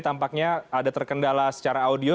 tampaknya ada terkendala secara audio